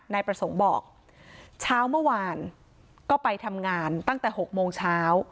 นายประสงค์บอกเช้าเมื่อวานก็ไปทำงานตั้งแต่๖โมงเช้า